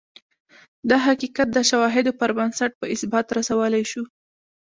دا حقیقت د شواهدو پر بنسټ په اثبات رسولای شو